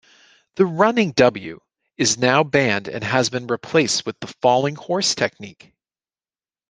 The 'Running W' is now banned and has been replaced with the falling-horse technique.